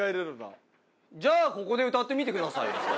じゃあここで歌ってみてくださいよ。